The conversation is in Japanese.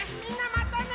まったね！